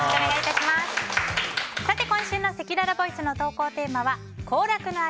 今週のせきららボイスの投稿テーマは行楽の秋！